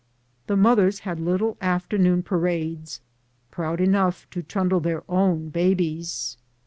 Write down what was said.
The mothers had little afternoon parades, proud enough to trundle their own babies.